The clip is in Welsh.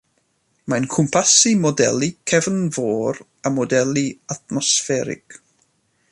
Mae'n cwmpasu modelu Cefnfor a Modelu Atmosfferig.